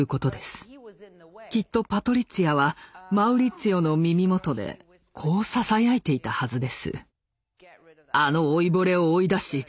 きっとパトリッツィアはマウリッツィオの耳元でこうささやいていたはずです。